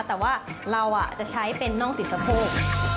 แต่ว่าเราจะใช้เป็นน่องติดสะโพก